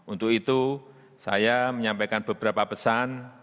untuk itu saya menyampaikan beberapa pesan